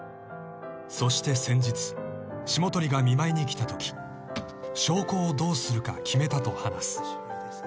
［そして先日霜鳥が見舞いに来たとき証拠をどうするか決めたと話す］